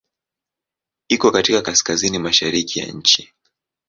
Iko katika kaskazini-mashariki ya nchi.